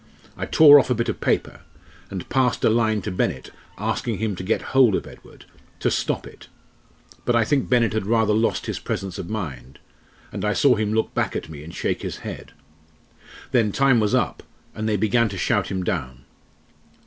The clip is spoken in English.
I tore off a bit of paper, and passed a line to Bennett asking him to get hold of Edward, to stop it. But I think Bennett had rather lost his presence of mind, and I saw him look back at me and shake his head. Then time was up, and they began to shout him down."